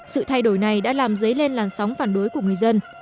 sự thay đổi này đã làm dấy lên làn sóng phản đối của người dân